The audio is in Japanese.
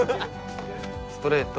ストレート